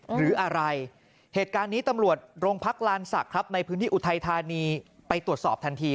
หรืออะไรเหตุการณ์นี้ตำรวจโรงพักลานศักดิ์ครับในพื้นที่อุทัยธานีไปตรวจสอบทันที